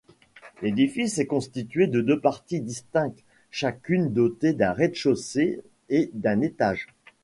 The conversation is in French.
L'édifice est constitué de deux parties distinctes, chacune dotée d'un rez-de-chaussée et d'un étage.